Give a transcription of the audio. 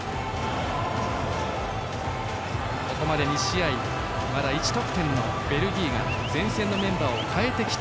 ここまで２試合１得点のベルギーが前線のメンバーを代えてきて